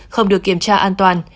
không được kiểm tra an toàn